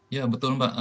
ya betul mbak